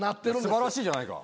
素晴らしいじゃないか。